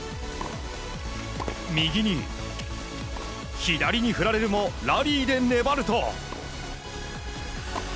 右に左に振られるもラリーで粘ると。